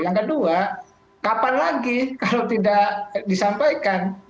yang kedua kapan lagi kalau tidak disampaikan